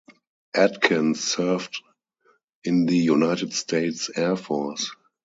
Adkins served in the United States Air Force.